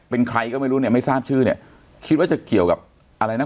เป็นใครก็ไม่รู้เนี่ยไม่ทราบชื่อเนี่ยคิดว่าจะเกี่ยวกับอะไรนะ